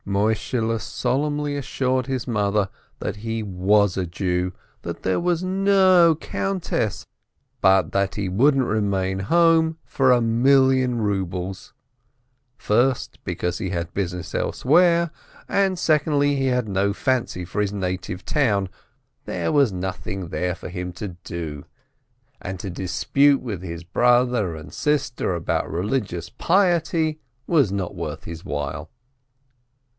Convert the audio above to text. Moishehle solemnly assured his mother that he was a Jew, that there was no countess, but that he wouldn't remain at home for a million rubles, first, because he had business elsewhere, and secondly, he had no fancy for his native town, there was nothing there for him to A GLOOMY WEDDING 97 do, and to dispute with his brother and sister about religious piety was not worth his while.